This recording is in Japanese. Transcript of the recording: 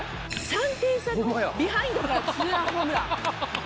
３点差のビハインドから２ランホームラン。